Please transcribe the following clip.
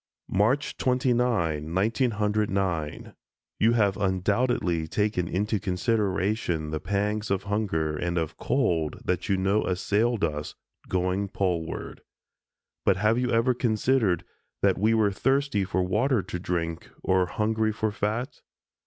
March 29, 1909: You have undoubtedly taken into consideration the pangs of hunger and of cold that you know assailed us, going Poleward; but have you ever considered that we were thirsty for water to drink or hungry for fat?